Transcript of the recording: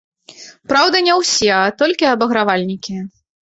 Праўда, не ўсе, а толькі абагравальнікі.